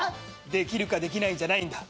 できるかできないんじゃないんだ。